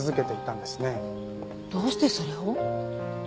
どうしてそれを？